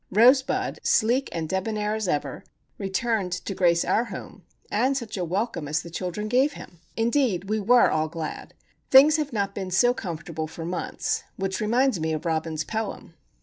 Rosebud, sleek and debonair as ever, returned to grace our home,—and such a welcome as the children gave him! Indeed, we were all glad. Things have not been so comfortable for months,—which reminds me of Robin's poem.